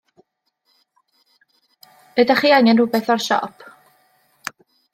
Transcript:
Ydach chi angen r'wbath o'r siop?